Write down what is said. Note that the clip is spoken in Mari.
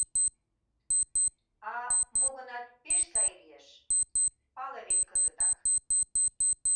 А, мо-гынат, пеш сай лиеш, пале вет кызытак!